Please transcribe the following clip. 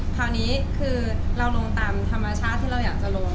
คราวนี้คือเราลงตามธรรมชาติที่เราอยากจะลง